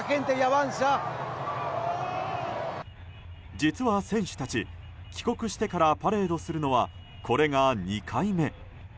実は選手たち、帰国してからパレードするのはこれが２回目。